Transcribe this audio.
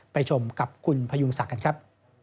ไปชมกับคุณพยุงศักดิ์กันครับ